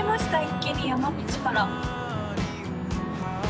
一気に山道から。